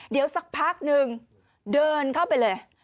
เดี๋ยวสักพักนึงเดินเข้าไปเลย